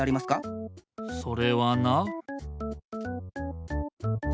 それはな。